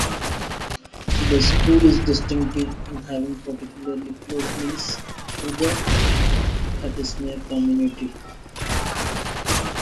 The School is distinctive in having particularly close links to the Hartismere Community.